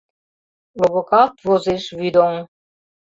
Ловыкалт возеш вӱдоҥ.